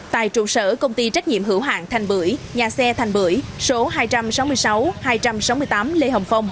tại trụ sở công ty trách nhiệm hữu hạng thành bưởi nhà xe thành bưởi số hai trăm sáu mươi sáu hai trăm sáu mươi tám lê hồng phong